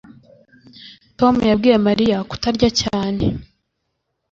Tom yabwiye Mariya kutarya cyane